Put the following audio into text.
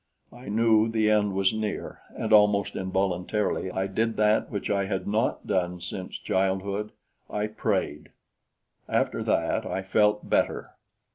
I knew the end was near and, almost involuntarily, I did that which I had not done since childhood I prayed. After that I felt better.